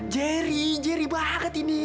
jerry jerry banget ini